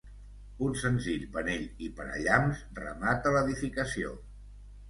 Un senzill penell i parallamps remata l'edificació.